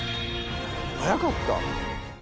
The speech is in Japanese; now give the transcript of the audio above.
「速かった」？